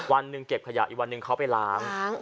วันหนึ่งเก็บขยะอีกวันหนึ่งเขาไปล้าง